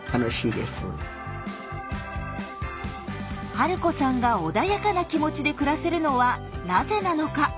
治子さんが穏やかな気持ちで暮らせるのはなぜなのか？